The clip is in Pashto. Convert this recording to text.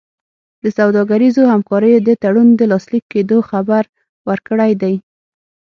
د سوداګریزو همکاریو د تړون د لاسلیک کېدو خبر ورکړی دی.